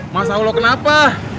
masya allah kenapa